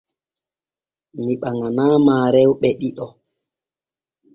Mi ɓaŋanaama rewɓe ɗiɗo.